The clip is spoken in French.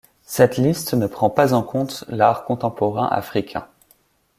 Cette liste ne prend pas en compte l'art contemporain africain.